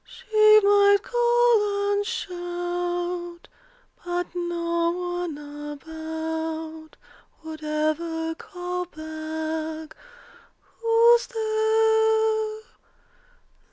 She might call and shout, But no one about Would ever call back, "Who's there?"